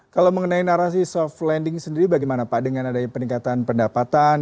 kalau mengenai narasi soft landing sendiri bagaimana pak dengan adanya peningkatan pendapatan